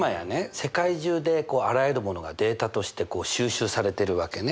世界中であらゆるものがデータとして収集されてるわけね。